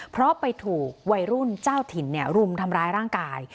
เพราะไปถูกวัยรุ่นเจ้าถิ่นรุมทำร้ายร่างกาย